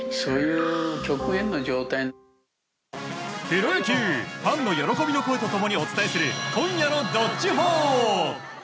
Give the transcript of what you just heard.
プロ野球ファンの喜びの声と共にお伝えする今夜の「＃どっちほー」。